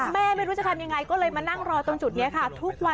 แม่ไม่รู้จะทำอย่างไรก็เลยมานั่งรอตรงจุดนี้ค่ะ